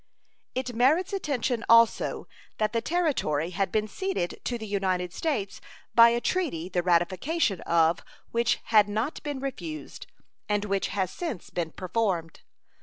It merits attention also that the territory had been ceded to the United States by a treaty the ratification of which had not been refused, and which has since been performed.